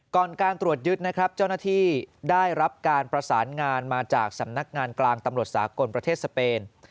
การตรวจยึดนะครับเจ้าหน้าที่ได้รับการประสานงานมาจากสำนักงานกลางตำรวจสากลประเทศสเปน